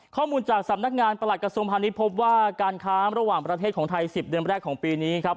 ข้อมูลจากสำนักงานประหลักกระทรวงพาณิชย์พบว่าการค้าระหว่างประเทศของไทย๑๐เดือนแรกของปีนี้ครับ